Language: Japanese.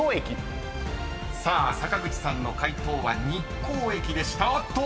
［さあ坂口さんの解答は「日光駅」でしたあっと！］